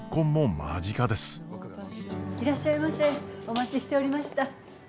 お待ちしておりました。